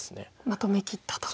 まとめきったと。